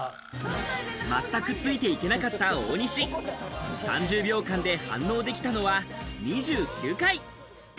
まったくついて行けなかった大西、３０秒間で反応できたのは２９回。